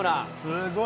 すごい。